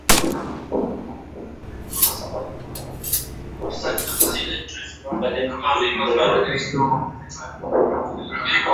lakini hivi sasa ukiangalia inaporomoka katika kila nyadhi